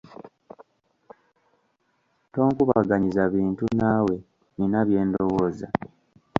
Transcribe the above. Tonkubaganyiza bintu naawe nnina bye ndowooza.